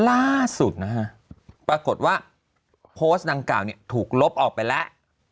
ล่าสุดนะฮะปรากฏว่าโพสต์ดังกล่าวเนี่ยถูกลบออกไปแล้ว